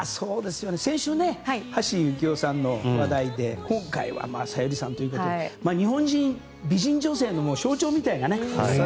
先週、橋幸夫さんの話題で今回は小百合さんということで日本人美人女性の象徴みたいな。